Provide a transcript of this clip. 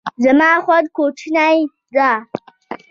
زما خونه کوچنۍ ده